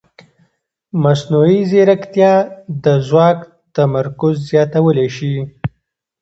مصنوعي ځیرکتیا د ځواک تمرکز زیاتولی شي.